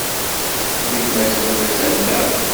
Yemma-twen attan da?